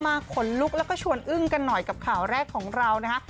ขนลุกแล้วก็ชวนอึ้งกันหน่อยกับข่าวแรกของเรานะฮะ